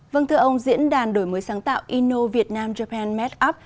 vâng thưa ông diễn đàn đổi mới sáng tạo inno vietnam japan met up